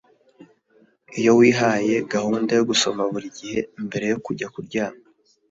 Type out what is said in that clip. Iyo wihaye gahunda yo gusoma buri gihe mbere yo kujya kuryama